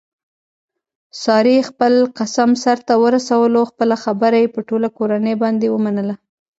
سارې خپل قسم سرته ورسولو خپله خبره یې په ټوله کورنۍ باندې ومنله.